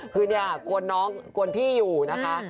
คือกวนน้องกวนพี่อยู่นะคะ